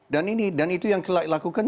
dan ini dan itu yang dilakukan